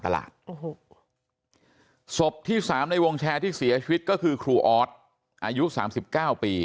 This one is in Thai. ตลาดศพที่๓ในวงแชร์ที่เสียชีวิตก็คือครูออดอายุ๓๙ปี